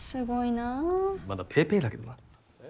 まだぺーぺーだけどな。